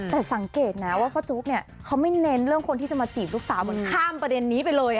แต่สังเกตนะว่าพ่อจุ๊กเนี่ยเขาไม่เน้นเรื่องคนที่จะมาจีบลูกสาวเหมือนข้ามประเด็นนี้ไปเลย